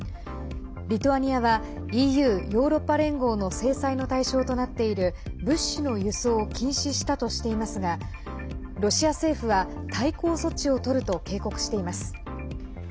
リトアニアはＥＵ＝ヨーロッパ連合の制裁の対象となっている物資の輸送を禁止したとしていますがロシア政府は対抗措置をとると警告しています。